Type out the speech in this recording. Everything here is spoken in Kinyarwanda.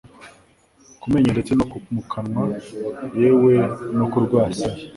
ku menyo ndetse no mukanwa yewe no ku rwasaya